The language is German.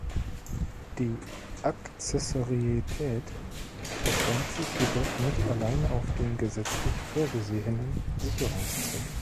Die Akzessorietät beschränkt sich jedoch nicht allein auf den gesetzlich vorgesehenen Sicherungszweck.